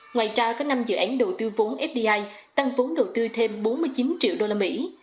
ngoài ra có năm dự án đầu tư vốn fdi tăng vốn đầu tư thêm bốn mươi chín triệu đô la mỹ